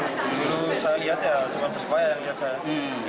dulu saya lihat ya cuma persebaya yang lihat saya